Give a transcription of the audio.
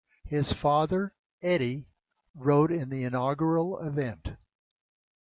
His father, Eddy, rode in the inaugural event.